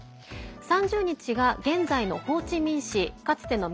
３０日が現在のホーチミン市かつての南